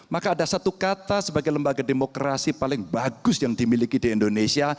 maka ada satu kata sebagai lembaga demokrasi paling bagus yang dimiliki di indonesia